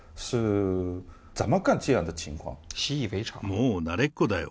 もう慣れっこだよ。